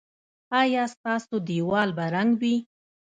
ایا ستاسو دیوال به رنګ وي؟